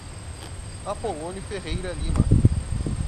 Apolonio Ferreira Lima